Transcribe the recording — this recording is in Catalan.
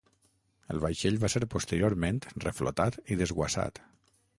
El vaixell va ser posteriorment reflotat i desguassat.